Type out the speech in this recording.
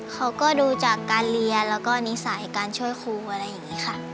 เขาก็ดูจากการเรียนแล้วก็นิสัยการช่วยครูอะไรอย่างนี้ค่ะ